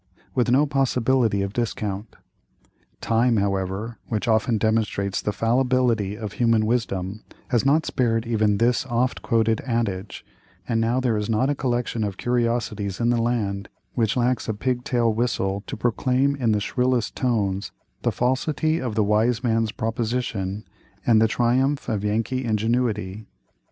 with no possibility of discount. Time, however, which often demonstrates the fallibility of human wisdom, has not spared even this oft quoted adage; and now there is not a collection of curiosities in the land which lacks a pig tail whistle to proclaim in the shrillest tones the falsity of the wise man's proposition, and the triumph of Yankee ingenuity.